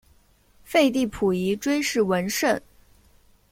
废帝溥仪追谥文慎。